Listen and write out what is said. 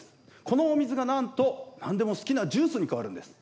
このお水がなんと何でも好きなジュースに変わるんです。